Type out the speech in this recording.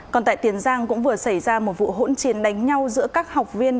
còn tại tiền giang cũng vừa xảy ra một vụ hỗn chiến đánh nhau giữa các học viên